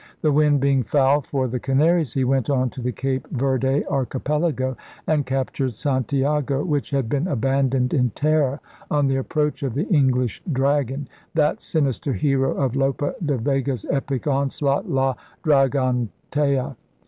The wind being foul for the Canaries, he went on to the Cape Verde archipelago and captured Santiago, which had been abandoned in terror on the approach of the English * Dragon,' that sinister hero of Lope de Vega's epic onslaught La Dragontea.